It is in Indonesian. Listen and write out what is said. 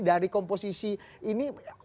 dari komposisi ini